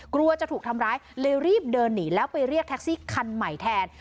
กลัวจะถูกทำร้ายเลยรีบเดินหนีแล้วไปเรียกแท็กซี่คันใหม่แทน